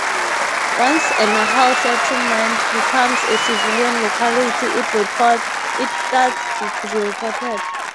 Once a Nahal settlement becomes a civilian locality, it starts to be reported.